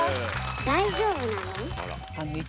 大丈夫なの？